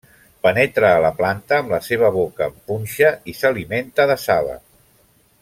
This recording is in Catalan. Penetra a la planta amb la seva boca en punxa i s'alimenta de saba.